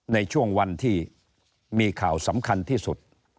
ในช่วงวันที่มีข่าวสำคัญที่สุด